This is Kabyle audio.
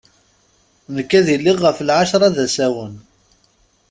Nekk ad iliɣ ɣef lɛacra d asawen.